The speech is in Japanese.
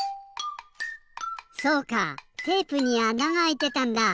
そうかテープにあながあいてたんだ！